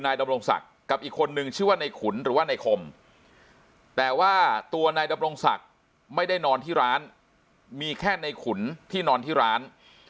ดำรงศักดิ์กับอีกคนนึงชื่อว่าในขุนหรือว่าในคมแต่ว่าตัวนายดำรงศักดิ์ไม่ได้นอนที่ร้านมีแค่ในขุนที่นอนที่ร้าน